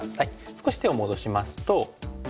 少し手を戻しますと。